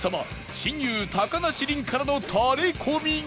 親友高梨臨からのタレコミが